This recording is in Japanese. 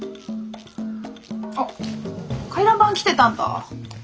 あっ回覧板来てたんだ。